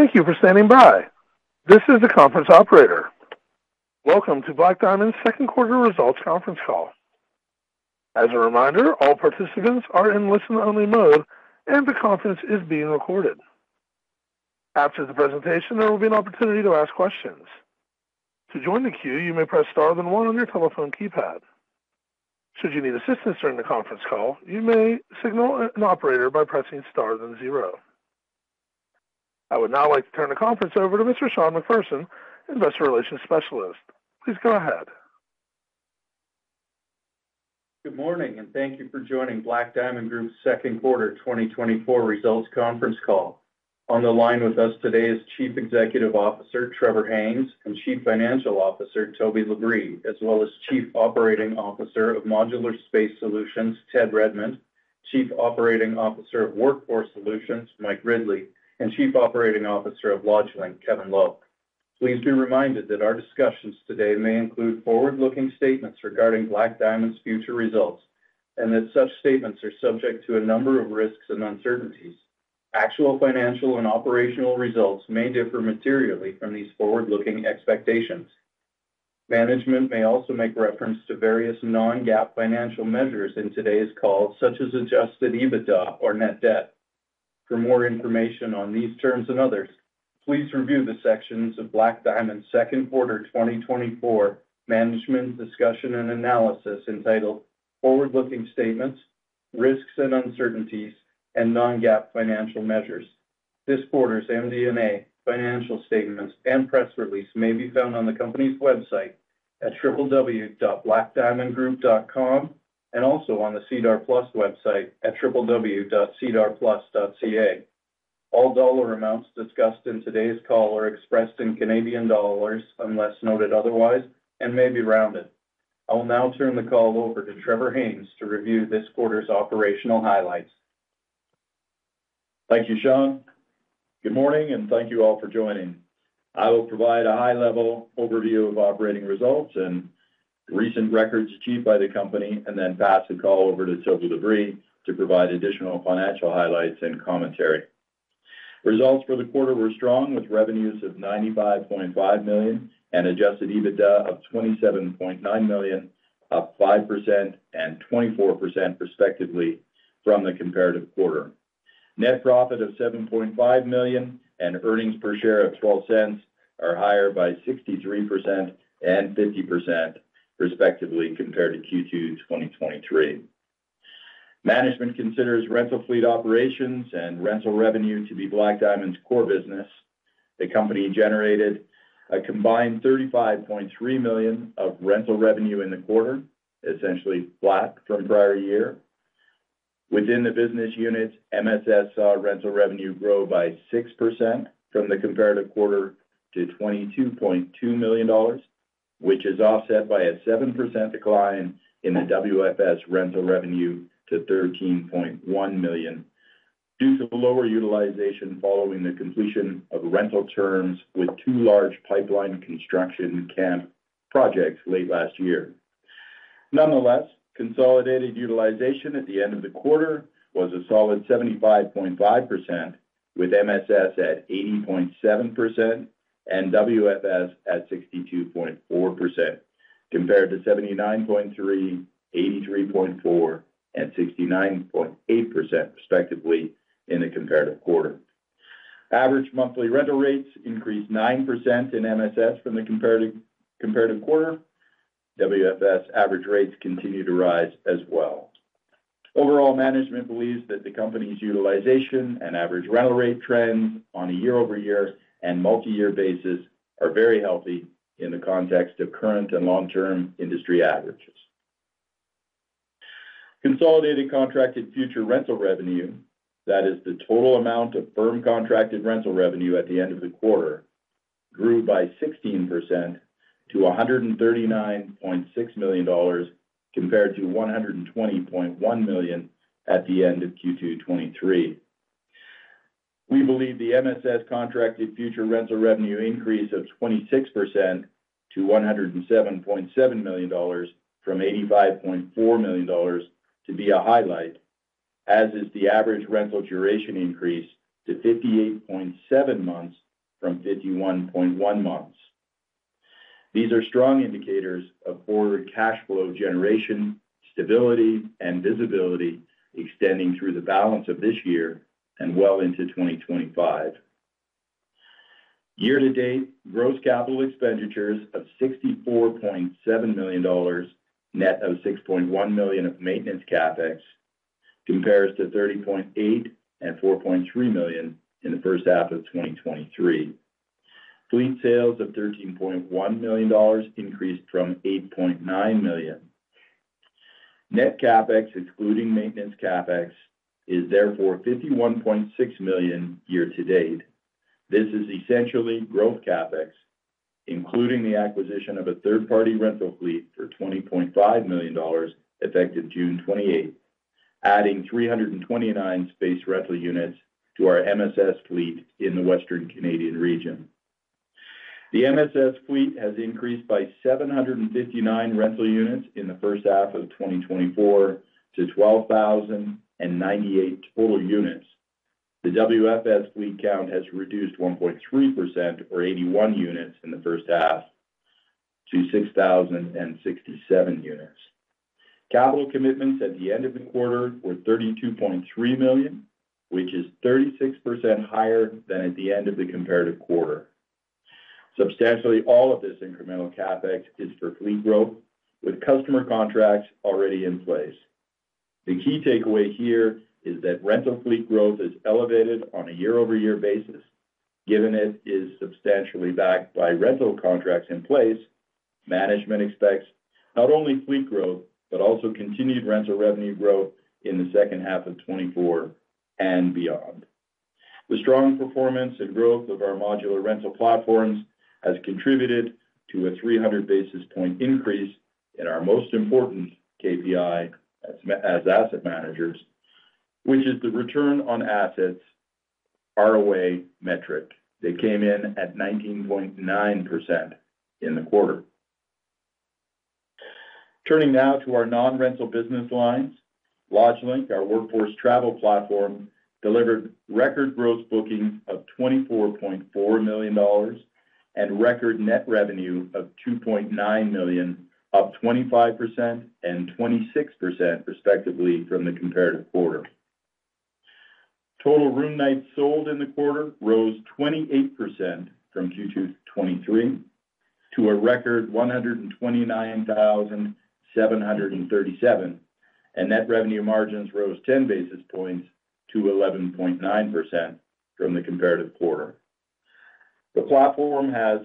Thank you for standing by. This is the conference operator. Welcome to Black Diamond's Second Quarter Results Conference Call. As a reminder, all participants are in listen-only mode, and the conference is being recorded. After the presentation, there will be an opportunity to ask questions. To join the queue, you may press star then one on your telephone keypad. Should you need assistance during the conference call, you may signal an operator by pressing star then zero. I would now like to turn the conference over to Mr. Sean McPherson, Investor Relations Specialist. Please go ahead. Good morning, and thank you for joining Black Diamond Group's Second Quarter 2024 Results Conference Call. On the line with us today is Chief Executive Officer Trevor Haynes and Chief Financial Officer Toby Labrie, as well as Chief Operating Officer of Modular Space Solutions, Ted Redmond, Chief Operating Officer of Workforce Solutions, Mike Ridley, and Chief Operating Officer of LodgeLink, Kevin Lowe. Please be reminded that our discussions today may include forward-looking statements regarding Black Diamond's future results and that such statements are subject to a number of risks and uncertainties. Actual financial and operational results may differ materially from these forward-looking expectations. Management may also make reference to various non-GAAP financial measures in today's call, such as adjusted EBITDA or net debt. For more information on these terms and others, please review the sections of Black Diamond's second quarter 2024 management discussion and analysis entitled "Forward-looking Statements, Risks and Uncertainties, and Non-GAAP Financial Measures." This quarter's MD&A financial statements and press release may be found on the company's website at www.blackdiamondgroup.com and also on the SEDAR+ website at www.sedarplus.ca. All dollar amounts discussed in today's call are expressed in Canadian dollars unless noted otherwise and may be rounded. I will now turn the call over to Trevor Haynes to review this quarter's operational highlights. Thank you, Sean. Good morning, and thank you all for joining. I will provide a high-level overview of operating results and recent records achieved by the company and then pass the call over to Toby Labrie to provide additional financial highlights and commentary. Results for the quarter were strong, with revenues of 95.5 million and Adjusted EBITDA of 27.9 million, up 5% and 24% respectively from the comparative quarter. Net profit of 7.5 million and earnings per share of 0.12 are higher by 63% and 50% respectively compared to Q2 2023. Management considers rental fleet operations and rental revenue to be Black Diamond's core business. The company generated a combined 35.3 million of rental revenue in the quarter, essentially flat from prior year. Within the business units, MSS saw rental revenue grow by 6% from the comparative quarter to 22.2 million dollars, which is offset by a 7% decline in the WFS rental revenue to 13.1 million due to lower utilization following the completion of rental terms with two large pipeline construction camp projects late last year. Nonetheless, consolidated utilization at the end of the quarter was a solid 75.5%, with MSS at 80.7% and WFS at 62.4% compared to 79.3, 83.4, and 69.8% respectively in the comparative quarter. Average monthly rental rates increased 9% in MSS from the comparative quarter. WFS average rates continue to rise as well. Overall, management believes that the company's utilization and average rental rate trends on a year-over-year and multi-year basis are very healthy in the context of current and long-term industry averages. Consolidated contracted future rental revenue, that is, the total amount of firm contracted rental revenue at the end of the quarter, grew by 16% to $139.6 million compared to $120.1 million at the end of Q2 2023. We believe the MSS contracted future rental revenue increase of 26% to $107.7 million from $85.4 million to be a highlight, as is the average rental duration increase to 58.7 months from 51.1 months. These are strong indicators of forward cash flow generation, stability, and visibility extending through the balance of this year and well into 2025. Year-to-date, gross capital expenditures of $64.7 million, net of $6.1 million of maintenance CapEx, compares to $30.8 and $4.3 million in the first half of 2023. Fleet sales of $13.1 million increased from $8.9 million. Net CapEx, excluding maintenance CapEx, is therefore $51.6 million year-to-date. This is essentially growth CapEx, including the acquisition of a third-party rental fleet for $20.5 million effective June 28, adding 329 space rental units to our MSS fleet in the Western Canada region. The MSS fleet has increased by 759 rental units in the first half of 2024 to 12,098 total units. The WFS fleet count has reduced 1.3%, or 81 units in the first half, to 6,067 units. Capital commitments at the end of the quarter were $32.3 million, which is 36% higher than at the end of the comparative quarter. Substantially all of this incremental CapEx is for fleet growth, with customer contracts already in place. The key takeaway here is that rental fleet growth is elevated on a year-over-year basis. Given it is substantially backed by rental contracts in place, management expects not only fleet growth but also continued rental revenue growth in the second half of 2024 and beyond. The strong performance and growth of our modular rental platforms has contributed to a 300 basis point increase in our most important KPI as asset managers, which is the return on assets ROA metric. They came in at 19.9% in the quarter. Turning now to our non-rental business lines, LodgeLink, our workforce travel platform, delivered record growth bookings of 24.4 million dollars and record net revenue of 2.9 million, up 25% and 26% respectively from the comparative quarter. Total room nights sold in the quarter rose 28% from Q2 2023 to a record 129,737, and net revenue margins rose 10 basis points to 11.9% from the comparative quarter. The platform has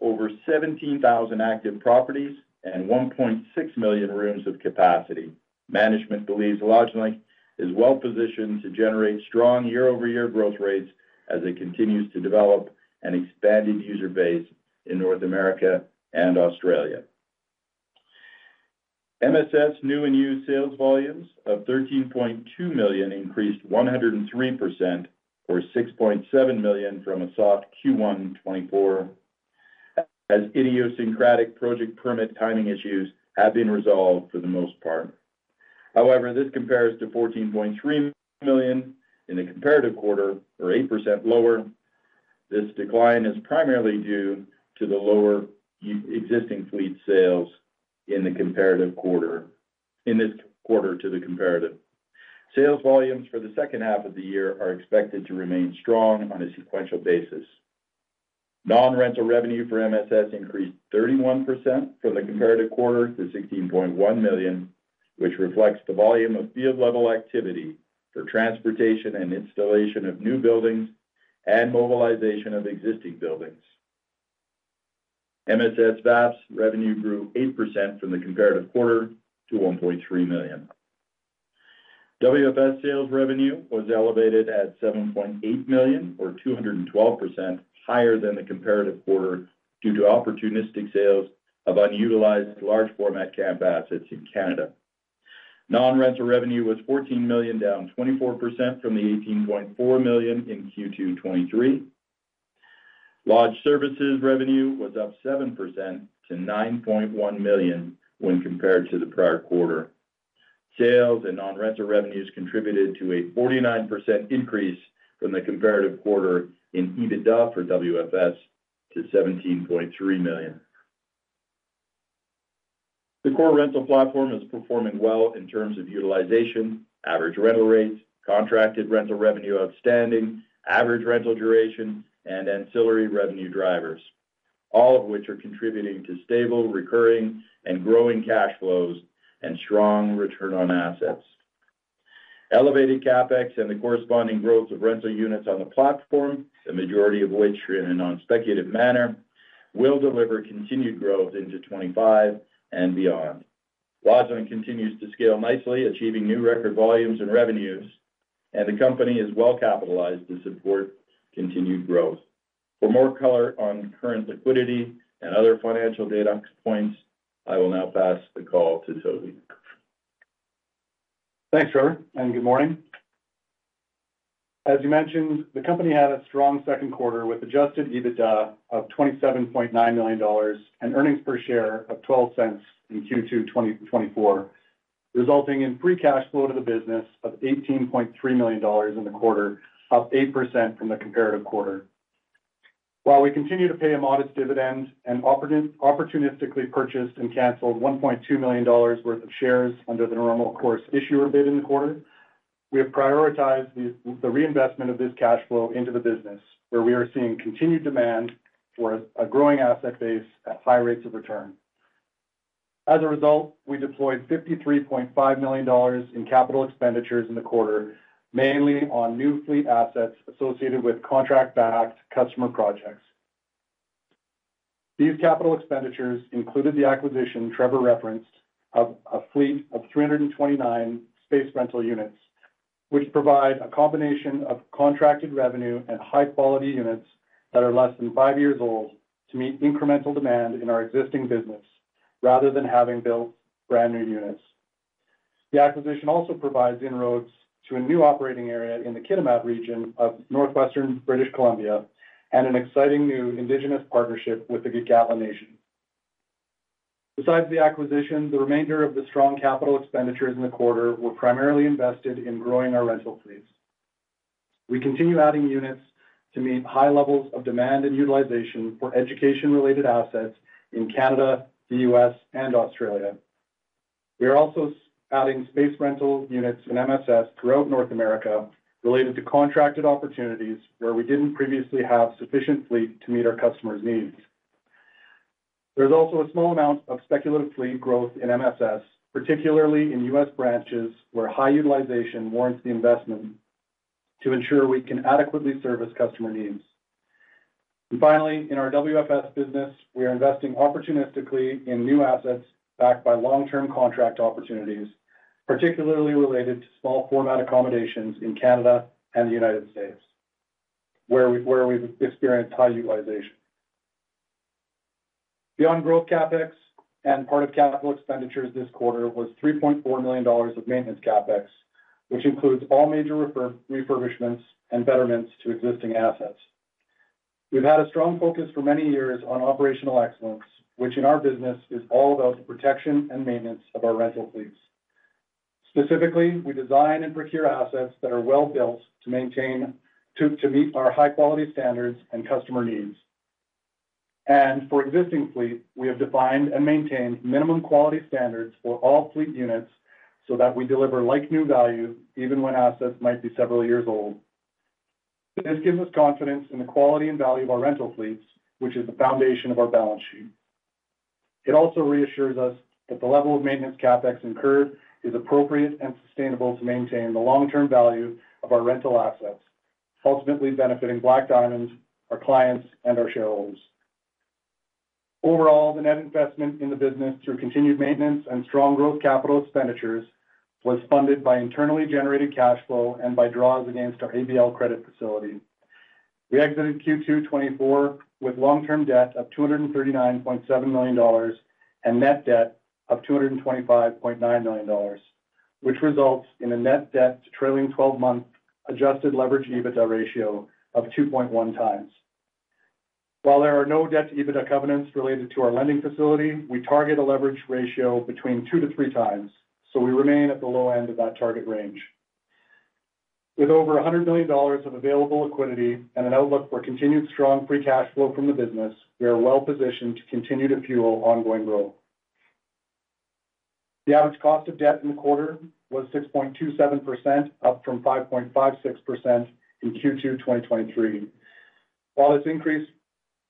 over 17,000 active properties and 1.6 million rooms of capacity. Management believes LodgeLink is well-positioned to generate strong year-over-year growth rates as it continues to develop an expanded user base in North America and Australia. MSS new and used sales volumes of 13.2 million increased 103%, or 6.7 million from a soft Q1 2024, as idiosyncratic project permit timing issues have been resolved for the most part. However, this compares to 14.3 million in the comparative quarter, or 8% lower. This decline is primarily due to the lower existing fleet sales in this quarter to the comparative. Sales volumes for the second half of the year are expected to remain strong on a sequential basis. Non-rental revenue for MSS increased 31% from the comparative quarter to 16.1 million, which reflects the volume of field-level activity for transportation and installation of new buildings and mobilization of existing buildings. MSS VAPS revenue grew 8% from the comparative quarter to 1.3 million. WFS sales revenue was elevated at 7.8 million, or 212% higher than the comparative quarter due to opportunistic sales of unutilized large-format camp assets in Canada. Non-rental revenue was 14 million, down 24% from the 18.4 million in Q2 2023. Lodge services revenue was up 7% to 9.1 million when compared to the prior quarter. Sales and non-rental revenues contributed to a 49% increase from the comparative quarter in EBITDA for WFS to 17.3 million. The core rental platform is performing well in terms of utilization, average rental rates, contracted rental revenue outstanding, average rental duration, and ancillary revenue drivers, all of which are contributing to stable, recurring, and growing cash flows and strong return on assets. Elevated CapEx and the corresponding growth of rental units on the platform, the majority of which in a non-speculative manner, will deliver continued growth into 2025 and beyond. LodgeLink continues to scale nicely, achieving new record volumes and revenues, and the company is well-capitalized to support continued growth. For more color on current liquidity and other financial data points, I will now pass the call to Toby. Thanks, Trevor, and good morning. As you mentioned, the company had a strong second quarter with adjusted EBITDA of 27.9 million dollars and earnings per share of 0.12 in Q2 2024, resulting in free cash flow to the business of 18.3 million dollars in the quarter, up 8% from the comparative quarter. While we continue to pay a modest dividend and opportunistically purchased and canceled 1.2 million dollars worth of shares under the normal course issuer bid in the quarter, we have prioritized the reinvestment of this cash flow into the business, where we are seeing continued demand for a growing asset base at high rates of return. As a result, we deployed 53.5 million dollars in capital expenditures in the quarter, mainly on new fleet assets associated with contract-backed customer projects. These capital expenditures included the acquisition Trevor referenced of a fleet of 329 space rental units, which provide a combination of contracted revenue and high-quality units that are less than five years old to meet incremental demand in our existing business rather than having built brand new units. The acquisition also provides inroads to a new operating area in the Kitimat region of northwestern British Columbia and an exciting new Indigenous partnership with the Gitxaala Nation. Besides the acquisition, the remainder of the strong capital expenditures in the quarter were primarily invested in growing our rental fleets. We continue adding units to meet high levels of demand and utilization for education-related assets in Canada, the U.S., and Australia. We are also adding space rental units in MSS throughout North America related to contracted opportunities where we didn't previously have sufficient fleet to meet our customers' needs. There's also a small amount of speculative fleet growth in MSS, particularly in U.S. branches where high utilization warrants the investment to ensure we can adequately service customer needs. And finally, in our WFS business, we are investing opportunistically in new assets backed by long-term contract opportunities, particularly related to small-format accommodations in Canada and the United States, where we've experienced high utilization. Beyond growth CapEx and part of capital expenditures this quarter was 3.4 million dollars of maintenance CapEx, which includes all major refurbishments and betterments to existing assets. We've had a strong focus for many years on operational excellence, which in our business is all about the protection and maintenance of our rental fleets. Specifically, we design and procure assets that are well-built to meet our high-quality standards and customer needs. For existing fleet, we have defined and maintained minimum quality standards for all fleet units so that we deliver like-new value even when assets might be several years old. This gives us confidence in the quality and value of our rental fleets, which is the foundation of our balance sheet. It also reassures us that the level of maintenance CapEx incurred is appropriate and sustainable to maintain the long-term value of our rental assets, ultimately benefiting Black Diamond, our clients, and our shareholders. Overall, the net investment in the business through continued maintenance and strong growth capital expenditures was funded by internally generated cash flow and by draws against our ABL credit facility. We exited Q2 2024 with long-term debt of 239.7 million dollars and net debt of 225.9 million dollars, which results in a net debt to trailing 12-month Adjusted EBITDA ratio of 2.1 times. While there are no debt-to-EBITDA covenants related to our lending facility, we target a leverage ratio between 2-3x, so we remain at the low end of that target range. With over 100 million dollars of available liquidity and an outlook for continued strong free cash flow from the business, we are well-positioned to continue to fuel ongoing growth. The average cost of debt in the quarter was 6.27%, up from 5.56% in Q2 2023.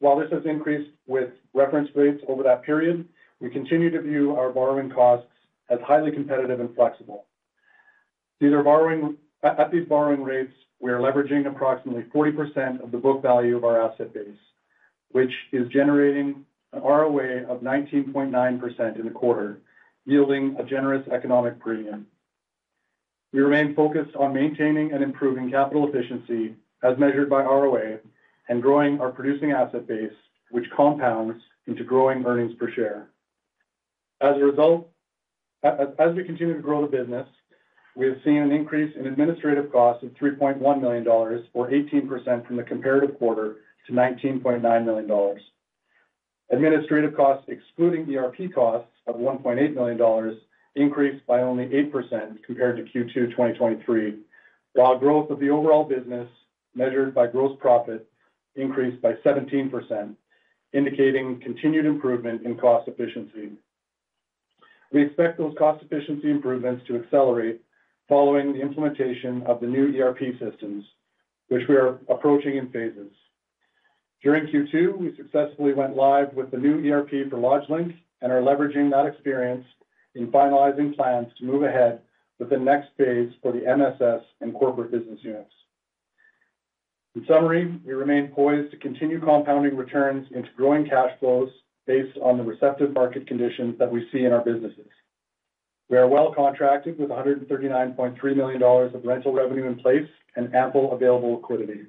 While this has increased with reference rates over that period, we continue to view our borrowing costs as highly competitive and flexible. At these borrowing rates, we are leveraging approximately 40% of the book value of our asset base, which is generating an ROA of 19.9% in the quarter, yielding a generous economic premium. We remain focused on maintaining and improving capital efficiency, as measured by ROA, and growing our producing asset base, which compounds into growing earnings per share. As we continue to grow the business, we have seen an increase in administrative costs of 3.1 million dollars, or 18% from the comparative quarter to 19.9 million dollars. Administrative costs, excluding ERP costs of 1.8 million dollars, increased by only 8% compared to Q2 2023, while growth of the overall business, measured by gross profit, increased by 17%, indicating continued improvement in cost efficiency. We expect those cost efficiency improvements to accelerate following the implementation of the new ERP systems, which we are approaching in phases. During Q2, we successfully went live with the new ERP for LodgeLink and are leveraging that experience in finalizing plans to move ahead with the next phase for the MSS and corporate business units. In summary, we remain poised to continue compounding returns into growing cash flows based on the receptive market conditions that we see in our businesses. We are well-contracted with 139.3 million dollars of rental revenue in place and ample available liquidity,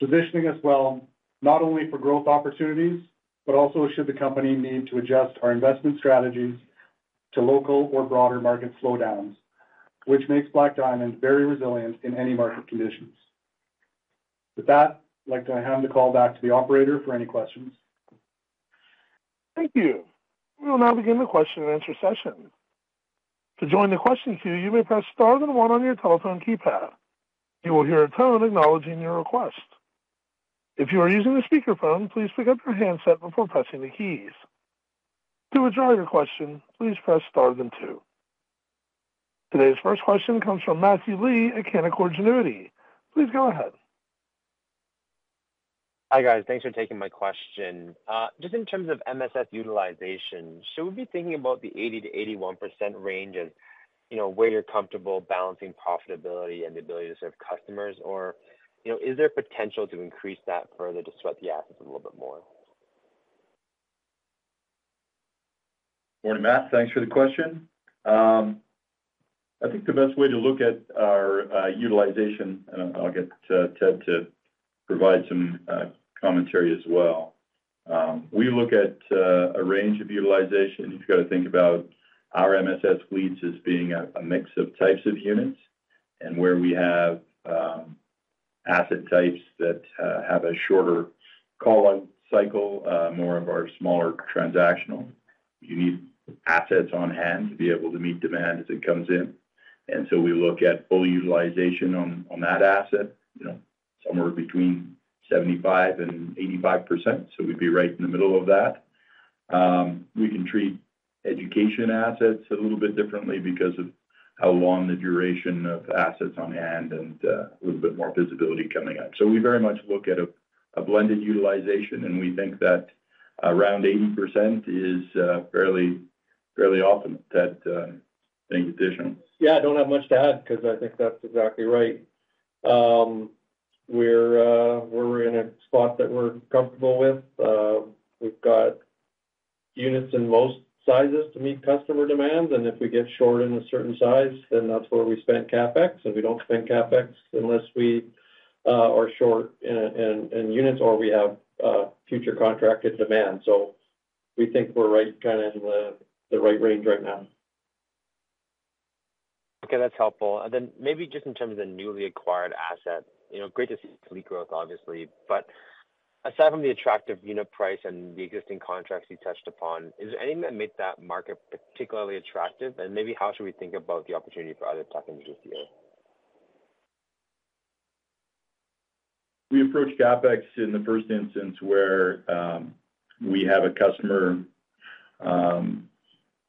positioning us well not only for growth opportunities but also should the company need to adjust our investment strategies to local or broader market slowdowns, which makes Black Diamond very resilient in any market conditions. With that, I'd like to hand the call back to the operator for any questions. Thank you. We will now begin the question-and-answer session. To join the question queue, you may press star then one on your telephone keypad. You will hear a tone acknowledging your request. If you are using a speakerphone, please pick up your handset before pressing the keys. To withdraw your question, please press star then two. Today's first question comes from Matthew Lee at Canaccord Genuity. Please go ahead. Hi guys. Thanks for taking my question. Just in terms of MSS utilization, should we be thinking about the 80%-81% range as where you're comfortable balancing profitability and the ability to serve customers, or is there potential to increase that further to sweat the assets a little bit more? Morning, Matt. Thanks for the question. I think the best way to look at our utilization, and I'll get Ted to provide some commentary as well, we look at a range of utilization. You've got to think about our MSS fleets as being a mix of types of units and where we have asset types that have a shorter call-out cycle, more of our smaller transactional. You need assets on hand to be able to meet demand as it comes in. So we look at full utilization on that asset, somewhere between 75%-85%, so we'd be right in the middle of that. We can treat education assets a little bit differently because of how long the duration of assets on hand and a little bit more visibility coming up. So we very much look at a blended utilization, and we think that around 80% is fairly often that thing additional. Yeah, I don't have much to add because I think that's exactly right. We're in a spot that we're comfortable with. We've got units in most sizes to meet customer demand, and if we get short in a certain size, then that's where we spend CapEx, and we don't spend CapEx unless we are short in units or we have future contracted demand. So we think we're right kind of in the right range right now. Okay, that's helpful. And then maybe just in terms of the newly acquired asset, great to see fleet growth, obviously. But aside from the attractive unit price and the existing contracts you touched upon, is there anything that makes that market particularly attractive? And maybe how should we think about the opportunity for other tech industries here? We approach CapEx in the first instance where we have a customer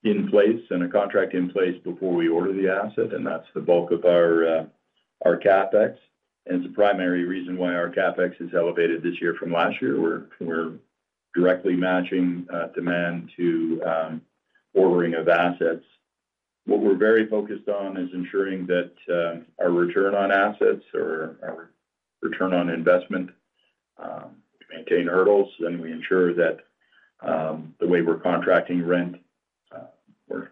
in place and a contract in place before we order the asset, and that's the bulk of our CapEx. It's the primary reason why our CapEx is elevated this year from last year. We're directly matching demand to ordering of assets. What we're very focused on is ensuring that our return on assets or our return on investment maintain hurdles, and we ensure that the way we're contracting rent,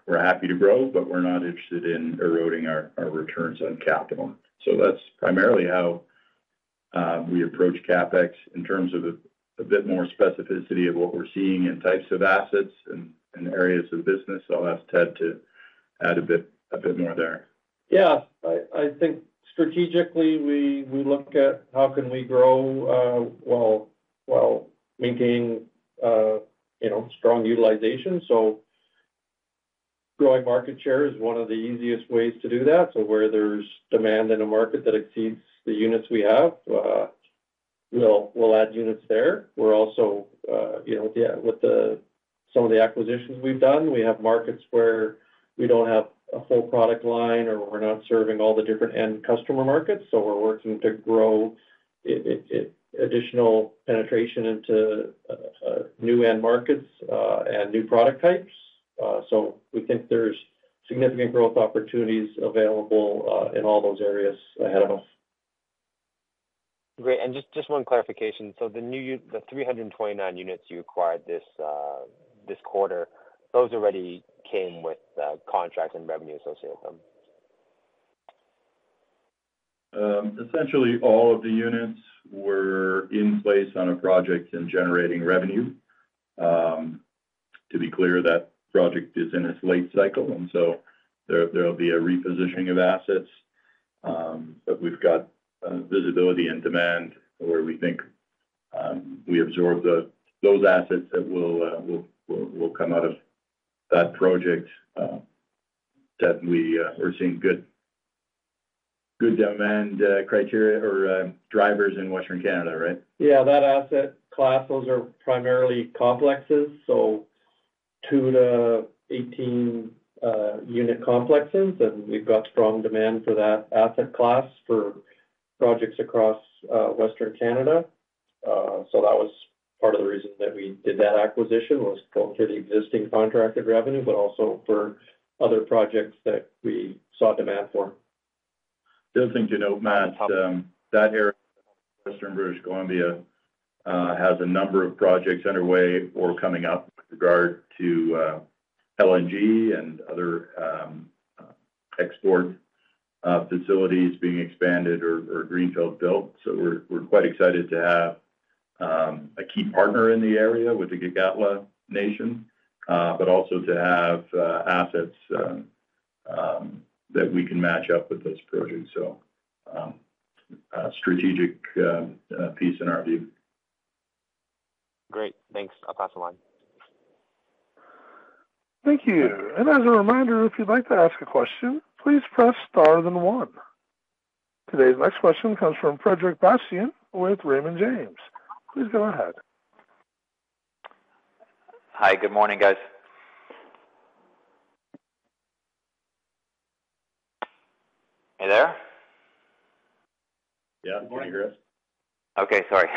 we're happy to grow, but we're not interested in eroding our returns on capital. That's primarily how we approach CapEx in terms of a bit more specificity of what we're seeing in types of assets and areas of business. I'll ask Ted to add a bit more there. Yeah. I think strategically we look at how can we grow while maintaining strong utilization. So growing market share is one of the easiest ways to do that. So where there's demand in a market that exceeds the units we have, we'll add units there. We're also with some of the acquisitions we've done, we have markets where we don't have a full product line or we're not serving all the different end customer markets. So we're working to grow additional penetration into new end markets and new product types. So we think there's significant growth opportunities available in all those areas ahead of us. Great. Just one clarification. So the 329 units you acquired this quarter, those already came with contract and revenue associated with them? Essentially, all of the units were in place on a project in generating revenue. To be clear, that project is in its late cycle, and so there'll be a repositioning of assets. But we've got visibility and demand where we think we absorb those assets that will come out of that project that we're seeing good demand criteria or drivers in Western Canada, right? Yeah. That asset class, those are primarily complexes, so 2-18 unit complexes. And we've got strong demand for that asset class for projects across Western Canada. So that was part of the reason that we did that acquisition was both for the existing contracted revenue but also for other projects that we saw demand for. The other thing to note, Matt, that area of Western British Columbia has a number of projects underway or coming up with regard to LNG and other export facilities being expanded or greenfield built. So we're quite excited to have a key partner in the area with the Gitxaala Nation, but also to have assets that we can match up with those projects. So a strategic piece in our view. Great. Thanks. I'll pass the line. Thank you. And as a reminder, if you'd like to ask a question, please press star then one. Today's next question comes from Frederic Bastien with Raymond James. Please go ahead. Hi. Good morning, guys. Hey there? Yeah. Good morning, Chris. Okay. Sorry.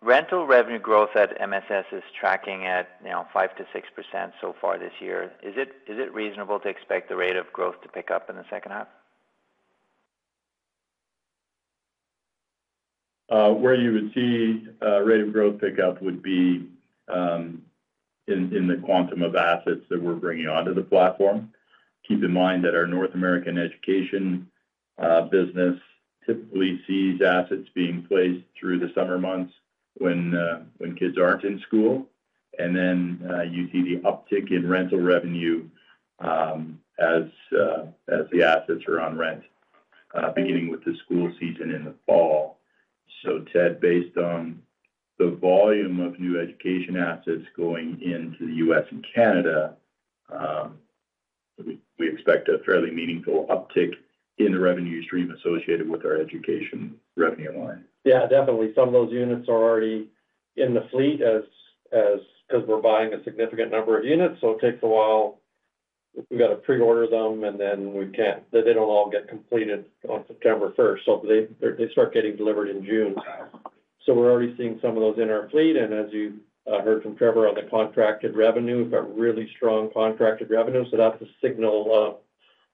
Rental revenue growth at MSS is tracking at 5%-6% so far this year. Is it reasonable to expect the rate of growth to pick up in the second half? Where you would see a rate of growth pickup would be in the quantum of assets that we're bringing onto the platform. Keep in mind that our North American education business typically sees assets being placed through the summer months when kids aren't in school. Then you see the uptick in rental revenue as the assets are on rent, beginning with the school season in the fall. Ted, based on the volume of new education assets going into the U.S. and Canada, we expect a fairly meaningful uptick in the revenue stream associated with our education revenue line. Yeah, definitely. Some of those units are already in the fleet because we're buying a significant number of units. So it takes a while. We've got to pre-order them, and then they don't all get completed on September 1st. So they start getting delivered in June. So we're already seeing some of those in our fleet. And as you heard from Trevor on the contracted revenue, we've got really strong contracted revenue. So that's a signal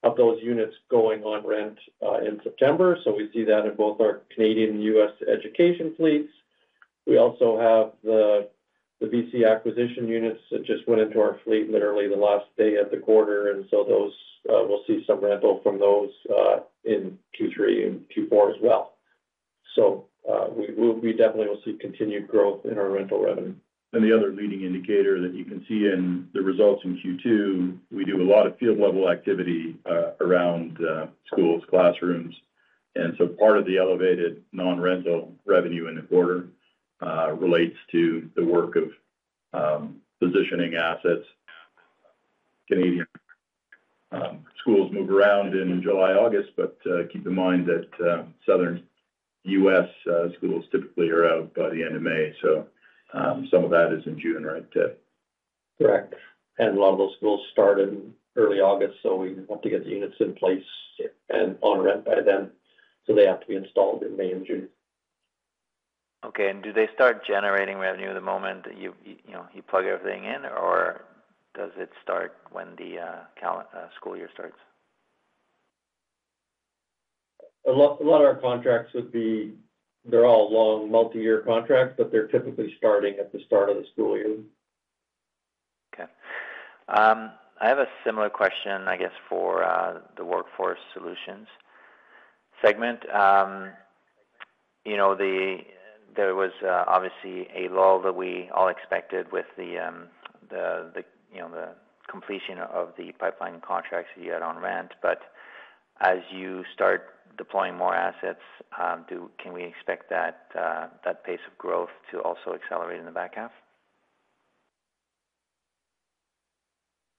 of those units going on rent in September. So we see that in both our Canadian and U.S. education fleets. We also have the BC acquisition units that just went into our fleet literally the last day of the quarter. And so we'll see some rental from those in Q3 and Q4 as well. So we definitely will see continued growth in our rental revenue. The other leading indicator that you can see in the results in Q2, we do a lot of field-level activity around schools, classrooms. So part of the elevated non-rental revenue in the quarter relates to the work of positioning assets. Canadian schools move around in July/August, but keep in mind that southern U.S. schools typically are out by the end of May. Some of that is in June, right, Ted? Correct. A lot of those schools start in early August, so we have to get the units in place and on rent by then. They have to be installed in May and June. Okay. And do they start generating revenue the moment you plug everything in, or does it start when the school year starts? A lot of our contracts would be, they're all long multi-year contracts, but they're typically starting at the start of the school year. Okay. I have a similar question, I guess, for the Workforce Solutions segment. There was obviously a lull that we all expected with the completion of the pipeline contracts you had on rent. But as you start deploying more assets, can we expect that pace of growth to also accelerate in the back half?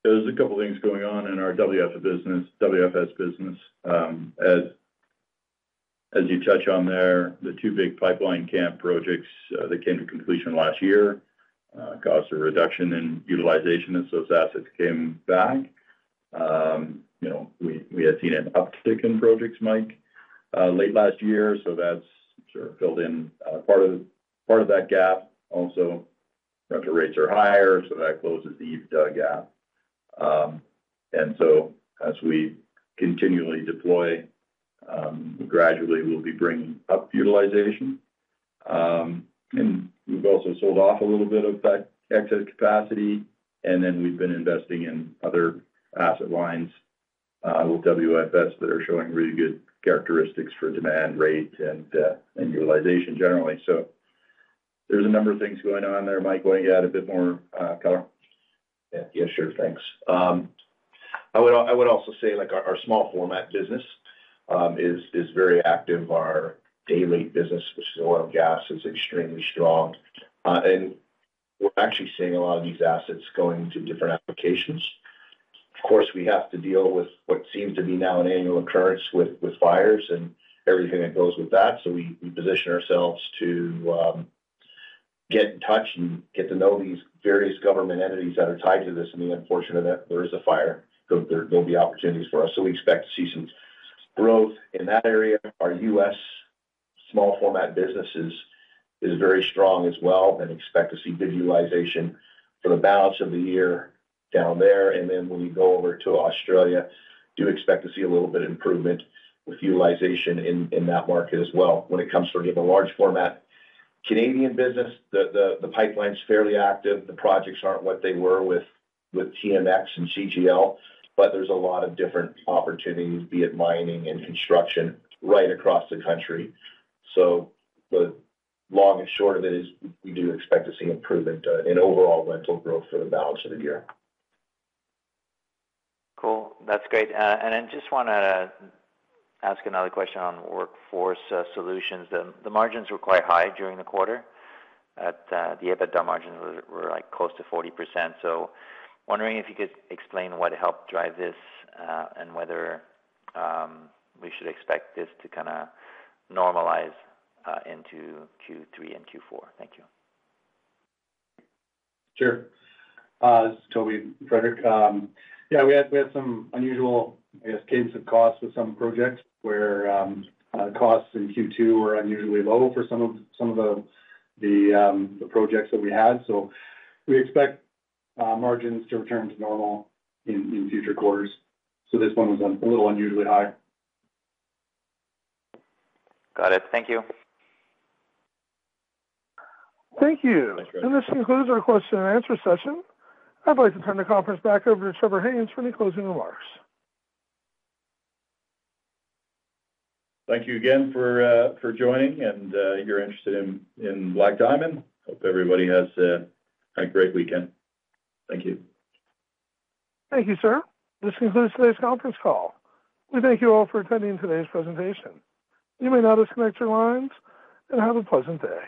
There's a couple of things going on in our WFS business. As you touch on there, the two big pipeline camp projects that came to completion last year caused a reduction in utilization as those assets came back. We had seen an uptick in projects late last year, so that's sort of filled in part of that gap. Also, rental rates are higher, so that closes the EBITDA gap. And so as we continually deploy, gradually we'll be bringing up utilization. And we've also sold off a little bit of that excess capacity. And then we've been investing in other asset lines with WFS that are showing really good characteristics for demand rate and utilization generally. So there's a number of things going on there. Mike, why don't you add a bit more color? Yeah. Yeah, sure. Thanks. I would also say our small format business is very active. Our day-to-day business, which is oil and gas, is extremely strong. And we're actually seeing a lot of these assets going to different applications. Of course, we have to deal with what seems to be now an annual occurrence with fires and everything that goes with that. So we position ourselves to get in touch and get to know these various government entities that are tied to this. And the unfortunate event, there is a fire. There will be opportunities for us. So we expect to see some growth in that area. Our U.S. small format businesses is very strong as well and expect to see good utilization for the balance of the year down there. Then when you go over to Australia, do expect to see a little bit of improvement with utilization in that market as well when it comes to the large format Canadian business. The pipeline's fairly active. The projects aren't what they were with TMX and CGL, but there's a lot of different opportunities, be it mining and construction, right across the country. The long and short of it is we do expect to see improvement in overall rental growth for the balance of the year. Cool. That's great. And I just want to ask another question on workforce solutions. The margins were quite high during the quarter. The EBITDA margins were close to 40%. So wondering if you could explain what helped drive this and whether we should expect this to kind of normalize into Q3 and Q4. Thank you. Sure. This is Toby Frederick. Yeah, we had some unusual, I guess, cadence of costs with some projects where costs in Q2 were unusually low for some of the projects that we had. So we expect margins to return to normal in future quarters. So this one was a little unusually high. Got it. Thank you. Thank you. This concludes our question and answer session. I'd like to turn the conference back over to Trevor Haynes for any closing remarks. Thank you again for joining and your interest in Black Diamond. Hope everybody has a great weekend. Thank you. Thank you, sir. This concludes today's conference call. We thank you all for attending today's presentation. You may now disconnect your lines and have a pleasant day.